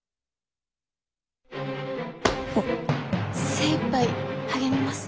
精いっぱい励みます。